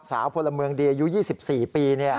พลเมืองดีอายุ๒๔ปี